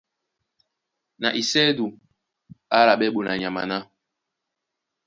Na isɛ́du á álaɓɛ́ ɓonanyama ná: